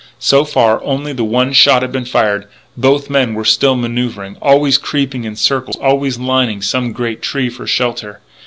So far only that one shot had been fired. Both men were still manoeuvring, always creeping in circles and always lining some great tree for shelter.